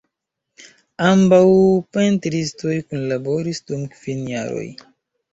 Ambaŭ pentristoj kunlaboris dum kvin jaroj.